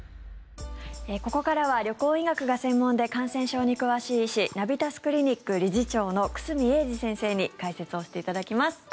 ここからは旅行医学が専門で感染症に詳しい医師ナビタスクリニック理事長の久住英二先生に解説をしていただきます。